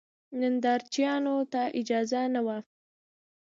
نندارچیانو ته اجازه نه وه.